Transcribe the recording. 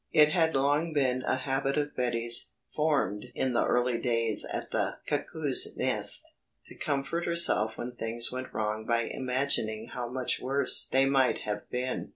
It had long been a habit of Betty's, formed in the early days at the Cuckoo's Nest, to comfort herself when things went wrong by imagining how much worse they might have been.